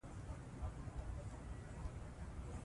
ښارونه د نفوس له امله ډېر ګڼه ګوڼه لري.